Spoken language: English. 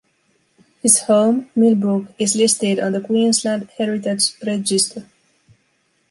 His home, Millbrook, is listed on the Queensland Heritage Register.